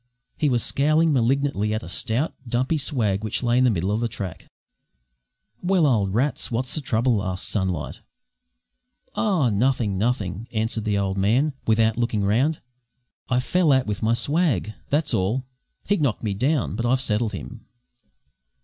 He was scowling malignantly at a stout, dumpy swag which lay in the middle of the track. "Well, old Rats, what's the trouble?" asked Sunlight. "Oh, nothing, nothing," answered the old man, without looking round. "I fell out with my swag, that's all. He knocked me down, but I've settled him."